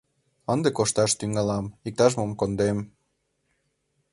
Ынде кошташ тӱҥалам, иктаж-мом кондем...